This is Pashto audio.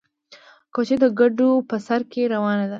کوچۍ د کډو په سر کې روانه ده